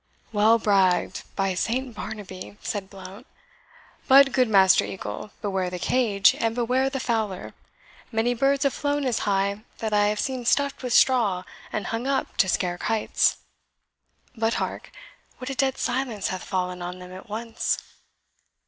"Well bragged, by Saint Barnaby!" said Blount; "but, good Master Eagle, beware the cage, and beware the fowler. Many birds have flown as high that I have seen stuffed with straw and hung up to scare kites. But hark, what a dead silence hath fallen on them at once!"